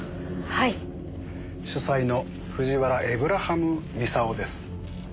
主宰の藤原エイブラハム美佐男です。